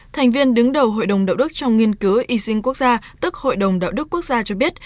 thành viên đứng đầu hội đồng đạo đức trong nghiên cứu y sinh quốc gia tức hội đồng đạo đức quốc gia cho biết